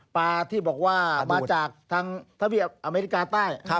ปลาที่บอกว่ามาจากทางทะเบียนอเมริกาใต้